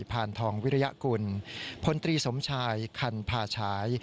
พานทองวิริยกุลพลตรีสมชายคันพาฉาย